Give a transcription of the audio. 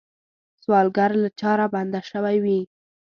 سوالګر له چاره بنده شوی وي